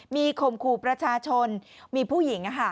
มีคมครูประชาชนมีผู้หญิง